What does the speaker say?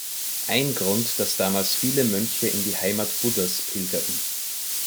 Ein Grund, dass damals viele Mönche in die Heimat Buddhas pilgerten.